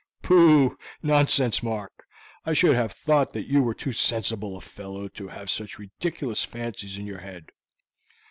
"Pooh, nonsense, Mark! I should have thought that you were too sensible a fellow to have such ridiculous fancies in your head."